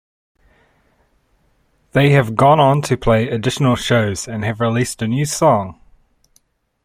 They have gone on to play additional shows and have released a new song.